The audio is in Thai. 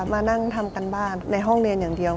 มานั่งทำการบ้านในห้องเรียนอย่างเดียว